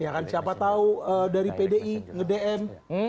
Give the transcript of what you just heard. iya kan siapa tau dari pdi nge dm